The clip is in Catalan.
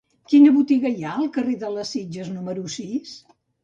Quina botiga hi ha al carrer de les Sitges número sis?